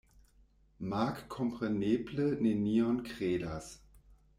Mark kompreneble nenion kredas.